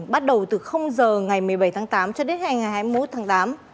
bắt đầu từ giờ ngày một mươi bảy tháng tám cho đến ngày hai mươi một tháng tám